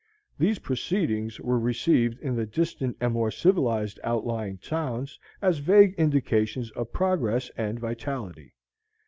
These proceedings were received in the distant and more civilized outlying towns as vague indications of progress and vitality.